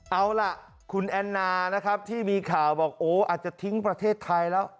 เอาล่ะคุณแอนนานะครับที่มีข่าวบอกโอ้อาจจะทิ้งประเทศไทยแล้ว